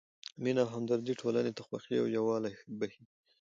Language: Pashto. مینه او همدردي ټولنې ته خوښي او یووالی بښي.